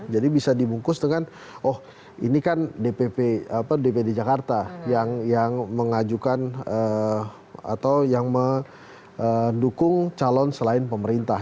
jadi bisa dibungkus dengan oh ini kan dpd jakarta yang mengajukan atau yang mendukung calon selain pemerintah